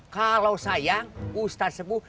kalau sayang ustadz semuh